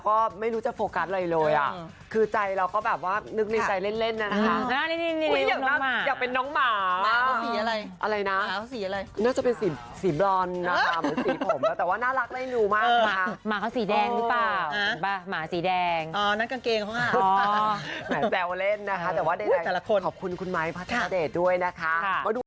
โอ้สิวะสิวะสิวะสิวะสิวะสิวะสิวะสิวะสิวะสิวะสิวะสิวะสิวะสิวะสิวะสิวะสิวะสิวะสิวะสิวะสิวะสิวะสิวะสิวะสิวะสิวะสิวะสิวะสิวะสิวะสิวะสิวะสิวะสิวะสิวะสิวะสิวะสิวะสิวะสิวะสิวะสิวะสิวะสิวะ